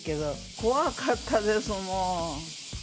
怖かったです、もう。